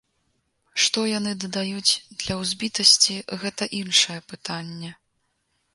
Што яны дадаюць, для узбітасці, гэта іншае пытанне.